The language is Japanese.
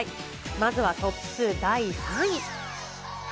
まずはトップス第３位。